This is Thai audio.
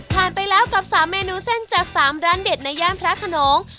ไปแล้วกับ๓เมนูเส้นจาก๓ร้านเด็ดในย่านพระขนง